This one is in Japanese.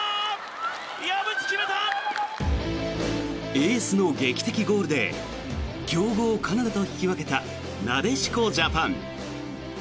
エースの劇的ゴールで強豪カナダと引き分けたなでしこジャパン。